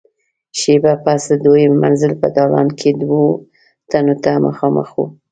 شېبه پس د دويم منزل په دالان کې دوو تنو ته مخامخ وو.